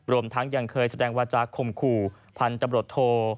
รวมทั้งยังเคยแสดงวาจาคมขู่พันธุ์ตำรวจโท